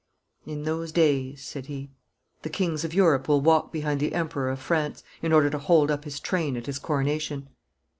'In those days,' said he, 'the kings of Europe will walk behind the Emperor of France in order to hold up his train at his coronation.